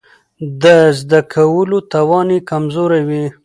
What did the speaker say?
د زده کولو توان يې کمزوری وي.